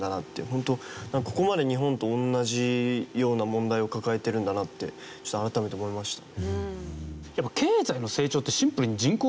ホントここまで日本と同じような問題を抱えてるんだなって改めて思いました。